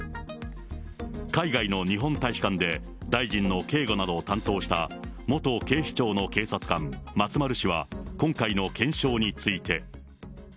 海外の日本大使館で大臣の警護などを担当した元警視庁の警察官、松丸氏は今回の検証について。